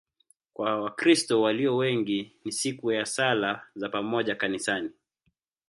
Kwa Wakristo walio wengi ni siku ya sala za pamoja kanisani.